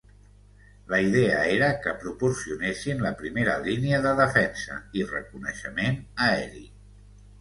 La idea era que proporcionessin la primera línia de defensa i reconeixement aeri.